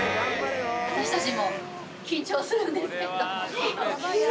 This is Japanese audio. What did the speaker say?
私たちも緊張するんですけど。